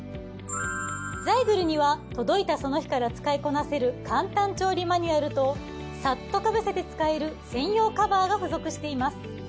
ザイグルには届いたその日から使いこなせる簡単調理マニュアルとサッとかぶせて使える専用カバーが付属しています。